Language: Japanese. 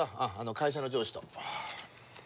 会社の上司と。